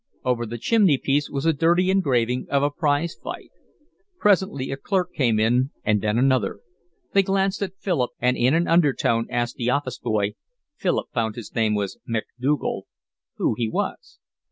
Over the chimney piece was a dirty engraving of a prize fight. Presently a clerk came in and then another; they glanced at Philip and in an undertone asked the office boy (Philip found his name was Macdougal) who he was.